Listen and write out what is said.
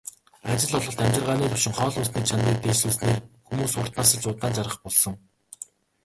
Ажил олголт, амьжиргааны түвшин, хоол хүнсний чанарыг дээшлүүлснээр хүмүүс урт насалж, удаан жаргах болсон.